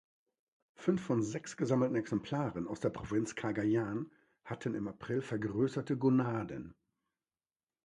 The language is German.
Fünf von sechs gesammelten Exemplaren aus der Provinz Cagayan hatten im April vergrößerte Gonaden.